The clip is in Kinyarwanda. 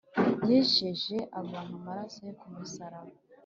Yejeshe abantu amaraso ye kumusaraba